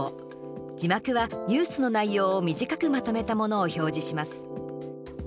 字幕はニュースの内容を短くまとめたものを表示します。